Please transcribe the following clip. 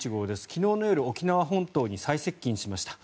昨日の夜沖縄本島に最接近しました。